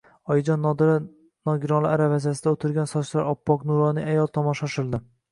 Oyijon, Nodira nogironlar aravachasida o`tirgan sochlari oppoq, nuroniy ayol tomon shoshildi